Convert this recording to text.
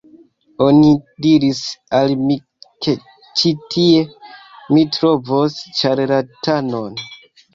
Oni diris al mi ke ĉi tie mi trovos ĉarlatanon